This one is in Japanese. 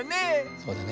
そうだね。